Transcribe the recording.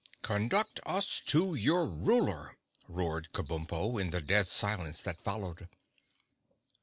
"Conduct us to your Ruler!" roared Kabumpo, in the dead silence that followed.